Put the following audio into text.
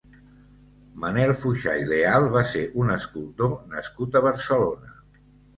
Manel Fuxà i Leal va ser un escultor nascut a Barcelona.